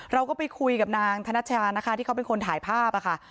เราก็ไปคุยกับนางธนชานะคะที่เขาเป็นคนถ่ายภาพค่ะ